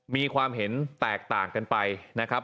มีความเห็นแตกต่างกันไปนะครับ